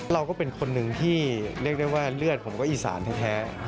เราก็เป็นคนหนึ่งที่เรียกได้ว่าเลือดผมก็อีสานแท้